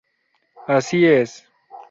Asi es.